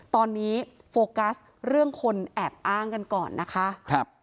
ตอนนี้โฟกัสเรื่องคนแอบอ้างกันก่อนนะคะ